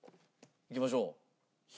いきましょう。